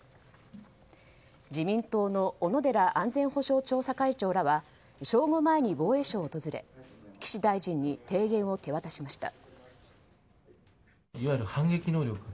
自民党の小野寺安全保障調査会長らは正午前に、防衛省を訪れ岸大臣に提言を手渡しました。